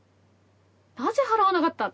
「なぜ払わなかった？」